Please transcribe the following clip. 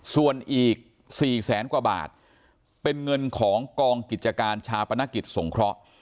ส่วนอีก๔แสนกว่าบาทเป็นเงินของกองกิจการชาปนกิจสงเคราะห์